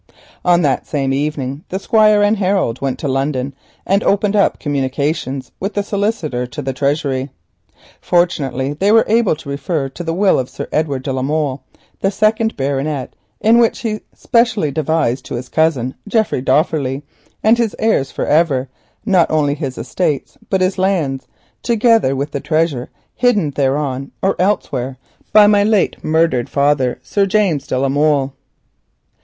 On that same evening the Squire and Harold went to London and opened up communications with the Solicitor to the Treasury. Fortunately they were able to refer to the will of Sir Edward de la Molle, the second baronet, in which he specially devised to his cousin, Geoffrey Dofferleigh, and his heirs for ever, not only his estates, but his lands, "together with the treasure hid thereon or elsewhere by my late murdered father, Sir James de la Molle."